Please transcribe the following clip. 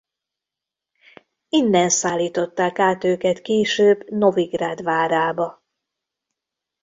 Innen szállították át őket később Novigrad várába.